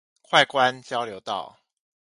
快官交流道